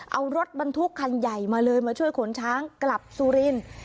เอารถบรรทุกคันใหญ่มาเลยมาช่วยขนช้างกลับสุรินทร์